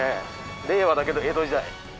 令和だけど江戸時代。